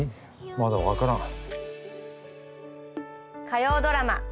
まだ分からん